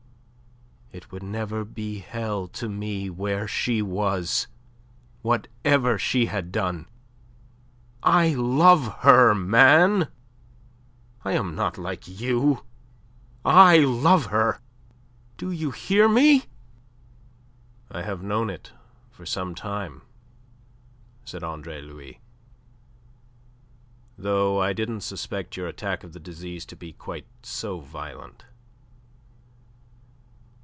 "It would never be hell to me where she was, whatever she had done. I love her, man, I am not like you. I love her, do you hear me?" "I have known it for some time," said Andre Louis. "Though I didn't suspect your attack of the disease to be quite so violent.